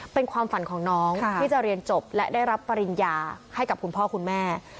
เป็นความฝันของน้องที่จะเรียนจบและได้รับปริญญาให้กับคุณพ่อคุณแม่